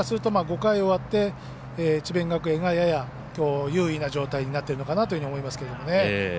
５回、終わって智弁学園がやや優位な状態になってるのかなというふうに思いますけどね。